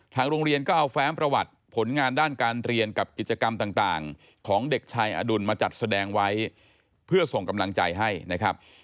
โรงเรียนก็เอาแฟ้มประวัติผลงานด้านการเรียนกับกิจกรรมต่างของเด็กชายอดุลมาจัดแสดงไว้เพื่อส่งกำลังใจให้นะครับ